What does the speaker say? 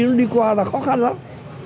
nó đi qua là khó khăn lắm